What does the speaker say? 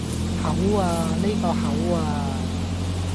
口呀,呢個口呀